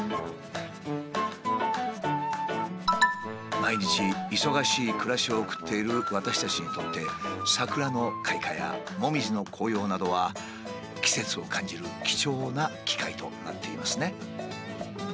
毎日忙しい暮らしを送っている私たちにとってサクラの開花やモミジの紅葉などは季節を感じる貴重な機会となっていますね。